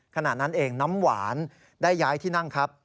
ขณะนั้นเองน้ำหวานได้ย้ายที่นั่งครับ